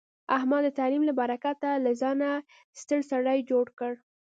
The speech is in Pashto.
احمد د تعلیم له برکته له ځانه ستر سړی جوړ کړ.